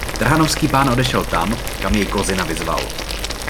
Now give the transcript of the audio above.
Trhanovský pán odešel tam, kam jej Kozina vyzval.